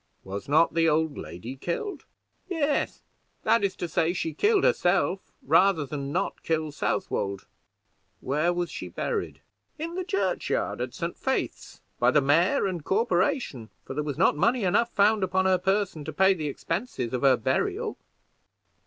"Was not the old lady killed?" "Yes; that is to say, she killed herself, rather than not kill Southwold." "Where was she buried?" "In the church yard at St. Faith's, by the mayor and the corporation; for there was not money enough found upon her person to pay the expenses of her burial."